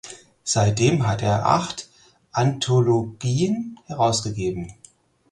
Seitdem hat er acht Anthologien herausgegeben.